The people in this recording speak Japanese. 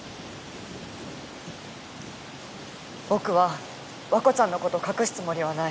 僕は和子ちゃんのこと隠すつもりはない。